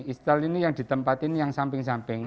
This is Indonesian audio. istal ini yang ditempatin yang samping samping